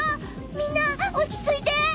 みんなおちついて！